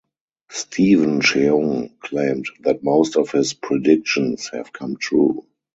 Steven Cheung claimed that most of his "predictions" have come true.